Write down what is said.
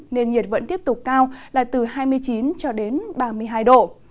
nên nhiệt vẫn tiếp tục cao là từ hai mươi chín cho đến hai mươi sáu độ